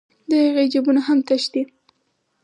د هغې جېبونه هم تش دي